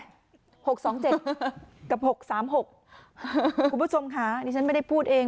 หกสองเจ็ดกับหกสามหกคุณผู้ชมค่ะนี่ฉันไม่ได้พูดเอง